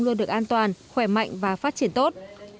luôn được an toàn khỏe mạnh và phát triển tốt